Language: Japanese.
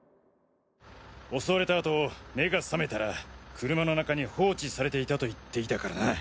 襲われたあと目が覚めたら車の中に放置されていたと言っていたからな。